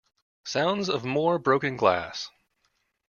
Sounds of more broken glass.